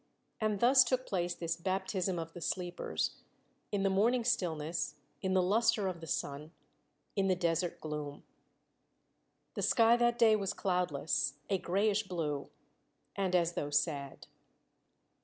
And thus took place this baptism of the sleepers in the morning stillness, in the luster of the sun, in the desert gloom. The sky that day was cloudless, a grayish blue, and as though sad.